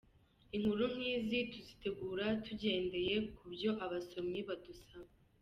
Inkuru nkizi tuzitegura tugendeye kubyo abasomyi badusaba.